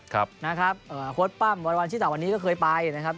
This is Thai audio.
ครับนะครับเอ่อโค้ดปั้มวันวันชิสาวันนี้ก็เคยไปนะครับ